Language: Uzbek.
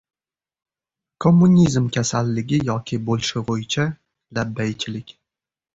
Kommunizm kasalligi yoki bolshevoycha «labbay»chilik